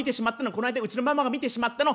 こないだうちのママが見てしまったの。